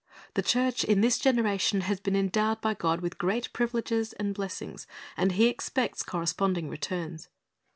The church in this generation has been endowed by God with great privileges and blessings, and He expects corresponding returns.